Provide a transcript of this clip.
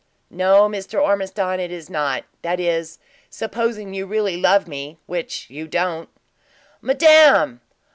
"No, Mr. Ormiston, it is not; that is, supposing you really love me, which you don't." "Madame!"